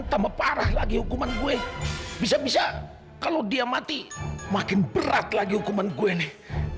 tambah parah lagi hukuman gue bisa bisa kalau dia mati makin berat lagi hukuman gue nih